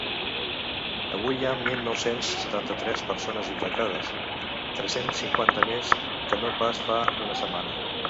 Avui hi ha mil nou-cents setanta-tres persones infectades, tres-cents cinquanta més que no pas fa una setmana.